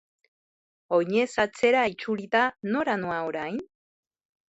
Oinez atzera itzulita, nora noa orain?